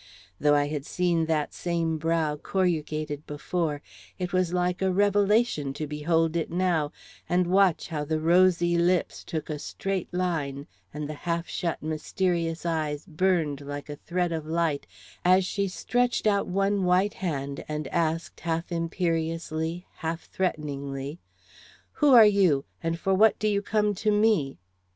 Though I had seen that same brow corrugated before, it was like a revelation to behold it now, and watch how the rosy lips took a straight line and the half shut, mysterious eyes burned like a thread of light, as she stretched out one white hand and asked half imperiously, half threateningly: "Who are you, and for what do you come to _me?